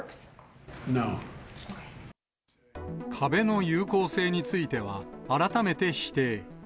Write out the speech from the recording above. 壁の有効性については、改めて否定。